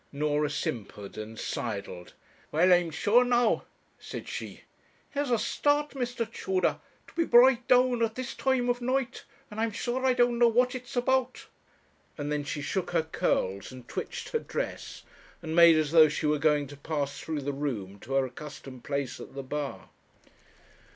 Norah simpered and sidled. 'Well, I'm sure now!' said she. 'Here's a start, Mr. Tudor; to be brought downstairs at this time of night; and I'm sure I don't know what it's about'; and then she shook her curls, and twitched her dress, and made as though she were going to pass through the room to her accustomed place at the bar.